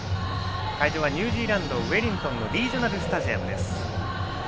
会場はニュージーランドウェリントンのリージョナルスタジアムです。